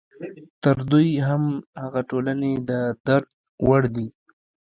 تر دوی هم هغه ټولنې د درد وړ دي.